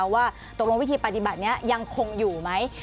ว่าตกลงวิธีปฏิบัตินี้ยังคงอยู่ไหม